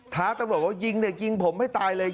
ท้าตำรวจว่ายิงเด็กยิงผมไม่ตายเลย